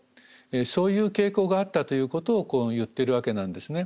そういう傾向があったということを言ってるわけなんですね。